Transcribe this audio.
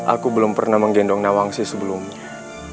aku belum pernah menggendong nawangsi sebelumnya